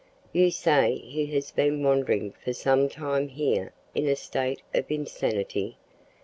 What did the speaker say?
You say he has been wandering for some time here in a state of insanity?